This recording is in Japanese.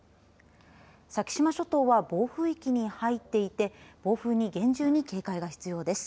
先島諸島は暴風域に入っていて暴風に厳重に警戒が必要です。